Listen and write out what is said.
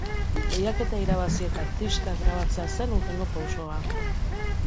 Lehiaketa irabazi eta diska grabatzea zen hurrengo pausoa.